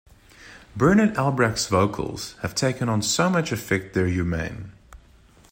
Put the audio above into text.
Bernard Albrecht's vocals have taken on so much affect they're humane.